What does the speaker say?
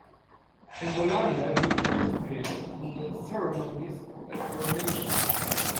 In Bologna he participated in the ceremonies of the coronation.